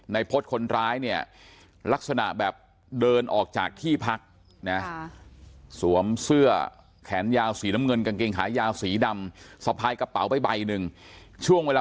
ในพตคนร้ายเนี่ยลักษณะแบบเดินออกจากที่พักนะฮะ